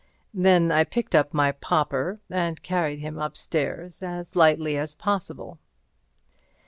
Then I picked up my pauper and carried him upstairs as lightly as possible.